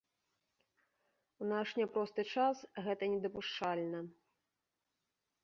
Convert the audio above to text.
У наш няпросты час гэта недапушчальна.